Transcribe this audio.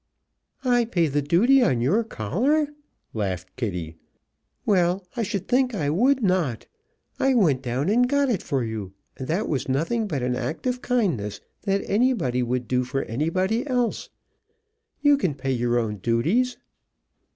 "I pay the duty on your collar?" laughed Kitty. "Well, I should think I would not! I went down and got it for you, and that was nothing but an act of kindness that anybody would do for anybody else. You can pay your own duties."